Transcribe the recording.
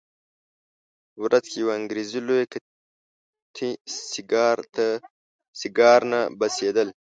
په ورځ کې یوه انګریزي لویه قطي سیګار نه بسېدل.